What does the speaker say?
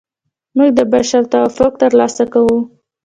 موږ د بشر توافق ترلاسه کوو.